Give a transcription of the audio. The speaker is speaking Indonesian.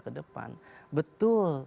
ke depan betul